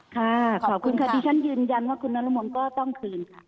ค่ะขอบคุณค่ะที่ฉันยืนยันว่าคุณนรมนก็ต้องคืนค่ะ